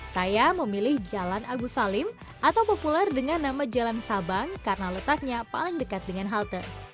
saya memilih jalan agus salim atau populer dengan nama jalan sabang karena letaknya paling dekat dengan halte